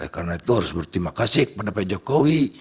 karena itu harus berterima kasih kepada pak jokowi